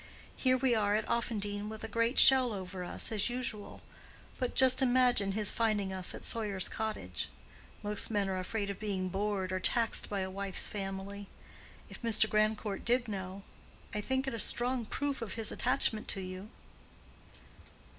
Here we are at Offendene with a great shell over us, as usual. But just imagine his finding us at Sawyer's Cottage. Most men are afraid of being bored or taxed by a wife's family. If Mr. Grandcourt did know, I think it a strong proof of his attachment to you."